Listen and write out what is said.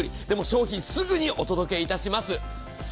でも、商品はすぐにお届けいたします。